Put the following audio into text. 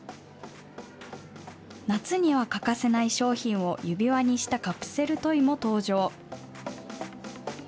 夏には欠かせない商品を指輪にしたカプセルトイも登場。